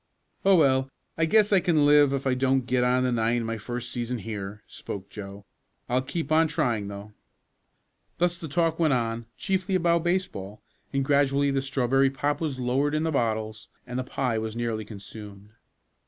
"Oh, well, I guess I can live if I don't get on the nine my first season here," spoke Joe. "I'll keep on trying though." Thus the talk went on, chiefly about baseball, and gradually the strawberry pop was lowered in the bottles, and the pie was nearly consumed.